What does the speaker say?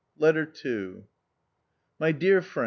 LETTER II. My dear Fra.